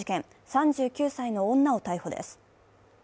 ３９歳の女を逮捕です。